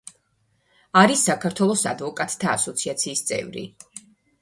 არის საქართველოს ადვოკატთა ასოციაციის წევრი.